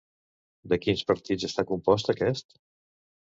De quins partits està compost aquest?